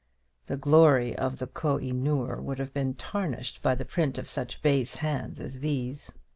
The glory of the Koh i noor would have been tarnished by the print of such base hands as these.